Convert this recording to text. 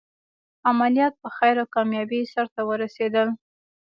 عملیات په خیر او کامیابۍ سرته ورسېدل.